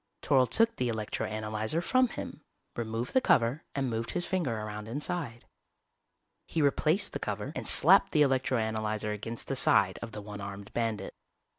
Toryl took the electro analyzer from him, removed the cover and moved his finger around inside. He replaced the cover and slapped the electro analyzer against the side of the one armed bandit.